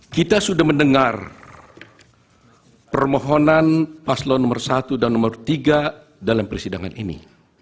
kita sudah mendengar permohonan paslon nomor satu dan nomor tiga dalam persidangan ini